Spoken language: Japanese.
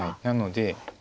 なので。